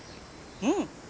うん。